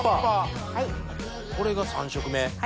これが３色目。